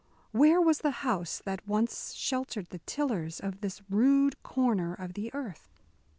Where was the house that once sheltered the tillers of this rude corner of the earth?